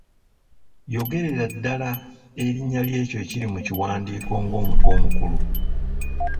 Yogerera ddala erinnya ly'ekyo ekiri mu kiwandiiko ng'omutwe omukulu.